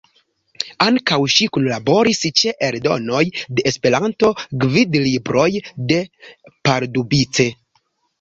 Ankaŭ ŝi kunlaboris ĉe eldonoj de E-gvidlibroj de Pardubice.